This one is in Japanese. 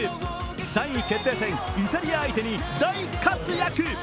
３位決定戦、イタリア相手に大活躍。